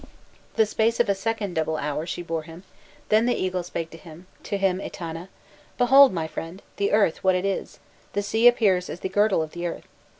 The space of a second double hour she bore him, then the eagle spake to him, to him Etana: 'Behold, my friend, the earth what it is; the sea appears as the girdle of the earth!